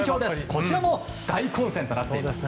こちらも大混戦となっています。